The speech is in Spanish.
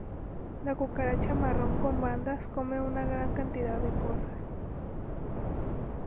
La cucaracha marrón con bandas come una gran cantidad de cosas.